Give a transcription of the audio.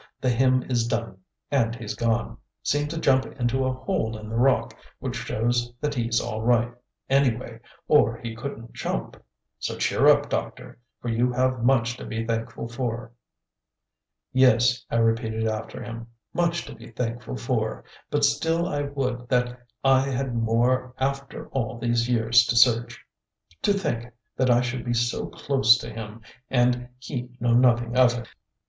the hymn is done and he's gone; seemed to jump into a hole in the rock, which shows that he's all right, anyway, or he couldn't jump. So cheer up, Doctor, for you have much to be thankful for." "Yes," I repeated after him, "much to be thankful for, but still I would that I had more after all these years to search. To think that I should be so close to him and he know nothing of it."